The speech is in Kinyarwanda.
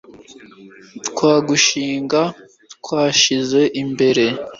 twa dushinga twashyize imbere